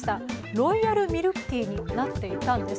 ロイヤルミルクティーになっていたんです。